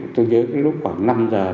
tôi nhớ lúc khoảng năm giờ